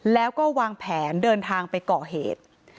แล้วก็วางแผนเดินทางไปก่อเหตุ